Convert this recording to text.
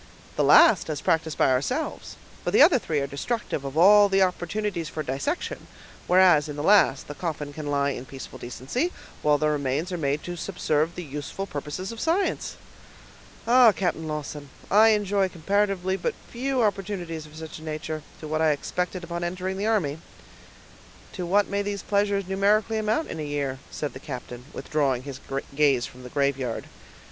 "The last, as practiced by ourselves, for the other three are destructive of all the opportunities for dissection; whereas, in the last, the coffin can lie in peaceful decency, while the remains are made to subserve the useful purposes of science. Ah! Captain Lawton, I enjoy comparatively but few opportunities of such a nature, to what I expected on entering the army." "To what may these pleasures numerically amount in a year?" said the captain, withdrawing his gaze from the graveyard.